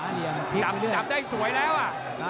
จับได้สวยแล้วอ่ะ